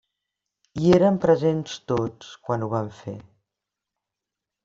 Hi eren presents tots, quan ho va fer.